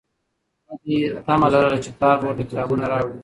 هیلې تمه لرله چې پلار به ورته کتابونه راوړي.